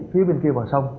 phía bên kia vào sông